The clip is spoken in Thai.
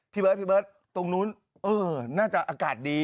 พี่เบิร์ดตรงนู้นน่าจะอากาศดี